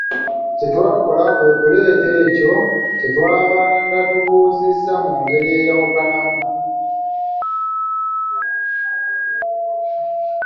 Kye twakola kwe kuleeta ekyo kye twabanga tubuuzizza mu ngeri eyawukanamu.